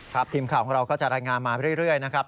ทีมข่าวของเราก็จะรายงานมาเรื่อยนะครับ